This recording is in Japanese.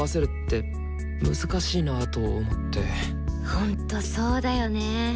ほんとそうだよね。